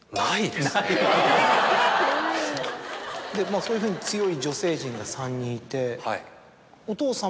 まぁそういうふうに強い女性陣が３人いて。